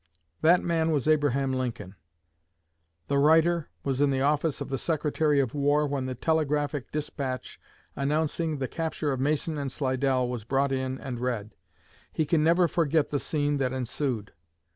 That man was Abraham Lincoln. The writer was in the office of the Secretary of War when the telegraphic despatch announcing the capture of Mason and Slidell was brought in and read. He can never forget the scene that ensued.